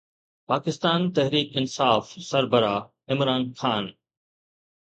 پاڪستان تحريڪ انصاف سربراهه عمران خان